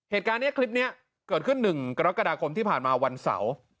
เหตุการณ์นี้คลิปนี้เกิดขึ้น๑กรกฎาคมที่ผ่านมาวันเสาร์